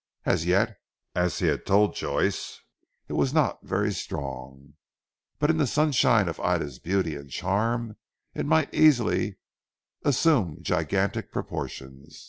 As yet (as he had told Joyce) it was not very strong; but in the sunshine of Ida's beauty and charm, it might easily assume gigantic proportions.